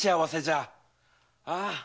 ああ。